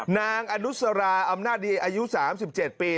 นางอนุสราอำนาจดีอายุ๓๗ปี